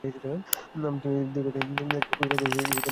তিনি দীর্ঘদিন এতে কোষাধ্যক্ষ হিসেবে দায়িত্বপালন করেছেন।